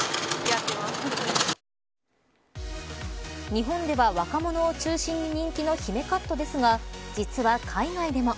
日本では若者を中心に人気の姫カットですが実は海外でも。